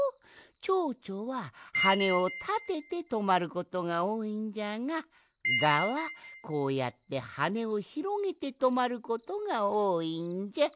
チョウチョははねをたててとまることがおおいんじゃがガはこうやってはねをひろげてとまることがおおいんじゃ。